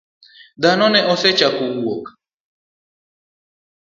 Dhano ne osechako wuok.